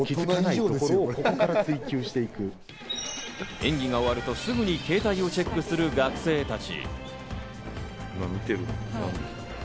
演技が終わると、すぐに携帯をチェックする学生たち。